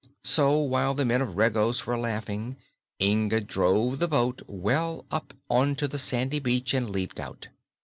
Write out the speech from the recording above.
So while the men of Regos were laughing Inga drove the boat we'll up onto the sandy beach and leaped out.